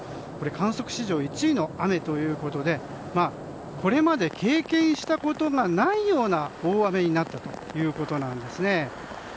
観測史上１位の雨ということでこれまで経験したことがないような大雨になったということなんです。